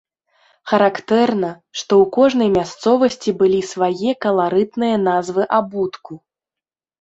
Характэрна, што ў кожнай мясцовасці былі свае, каларытныя назвы абутку.